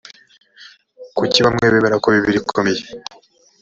kuki bamwe bemera ko bibiliya ikomeye